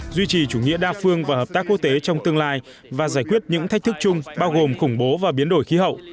duy trì chủ nghĩa đa phương và hợp tác quốc tế trong tương lai và giải quyết những thách thức chung bao gồm khủng bố và biến đổi khí hậu